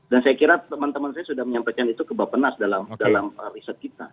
dan saya kira teman teman saya sudah menyampaikan itu ke bapak nas dalam riset kita